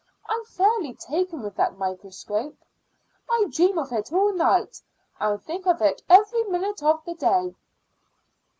I'm fairly taken with that microscope. I dream of it at night, and think of it every minute of the day."